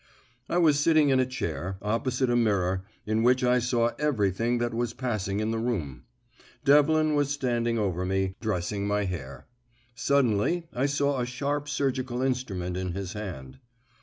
I was sitting in a chair, opposite a mirror, in which I saw everything that was passing in the room. Devlin was standing over me, dressing my hair. Suddenly I saw a sharp surgical instrument in his hand.